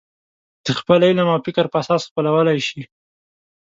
د خپل علم او فکر په اساس خپلولی شي.